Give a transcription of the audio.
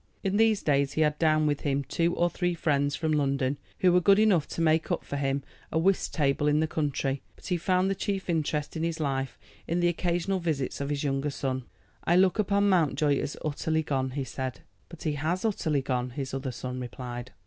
In these days he had down with him two or three friends from London, who were good enough to make up for him a whist table in the country; but he found the chief interest in his life in the occasional visits of his younger son. "I look upon Mountjoy as utterly gone," he said. "But he has utterly gone," his other son replied.